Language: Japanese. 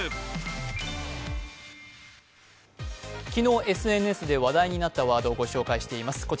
昨日ＳＮＳで話題になったワードを紹介しています。